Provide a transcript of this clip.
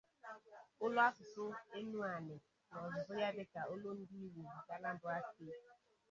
Olu asụsụ Enuani n’ozuzu ya dika olundị Igbo nke Anambra Steeti.